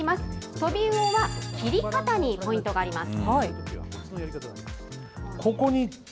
とびうおは切り方にポイントがあります。